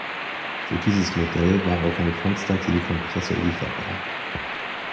Für dieses Modell war auch ein Constantin-Kompressor lieferbar.